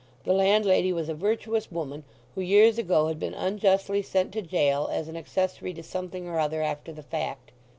The landlady was a virtuous woman who years ago had been unjustly sent to gaol as an accessory to something or other after the fact.